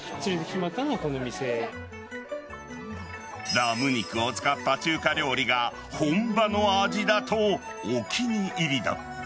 ラム肉を使った中華料理が本場の味だと、お気に入りだ。